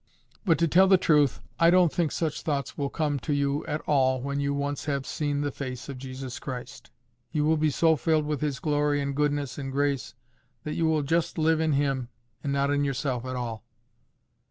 But to tell the truth, I don't think such thoughts will come to you at all when once you have seen the face of Jesus Christ. You will be so filled with His glory and goodness and grace, that you will just live in Him and not in yourself at all."